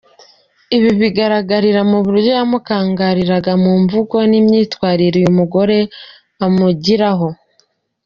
Ibi bigaragarira mu buryo yamukangaraga mu mvugo n’imyitwarire uyu mugore amugiraho.